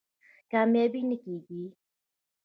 کامیاب نه کېږي.